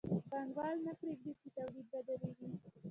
پانګوال نه پرېږدي چې تولید ودرېږي